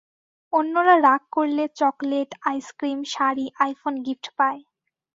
অন্যরা রাগ করলে chocolate, ice cream, sari, iPhone gift পায়।